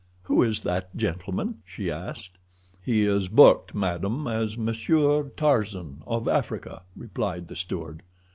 "Who is that gentleman?" she asked. "He is booked, madam, as Monsieur Tarzan, of Africa," replied the steward.